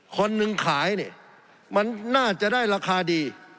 คนหนึ่งขายเนี่ยมันน่าจะได้ราคาดี